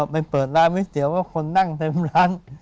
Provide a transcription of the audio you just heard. ไปเปิดร้านก๋วยเตี๋ยวก็คนนั่งเต็มร้าน